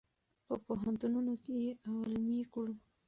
په پوهنتونونو کې یې علمي کړو.